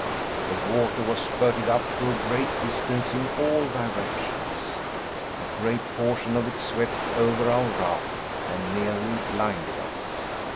The water was spurted up to a great distance in all directions. A great portion of it swept over our raft and nearly blinded us.